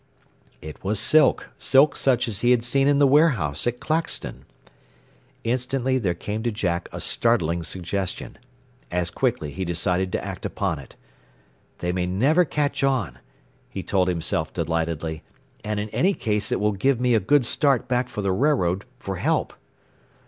It was silk silk such as he had seen in the warehouse at Claxton! Instantly there came to Jack a startling suggestion. As quickly he decided to act upon it. "They may never 'catch on,'" he told himself delightedly, "and in any case it will give me a good start back for the railroad, for help."